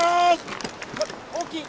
大きい。